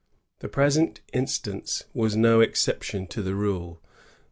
The present instance waa no exception to the rule.